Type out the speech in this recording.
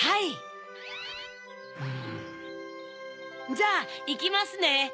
じゃあいきますね！